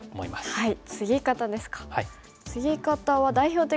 はい。